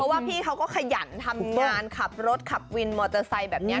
ว่าพี่เขาก็ขยันทำงานขับรถขับวินมอเตอร์ไซค์แบบนี้